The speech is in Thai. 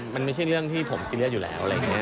มันไม่ใช่เรื่องที่ผมซีเรียสอยู่แล้วอะไรอย่างนี้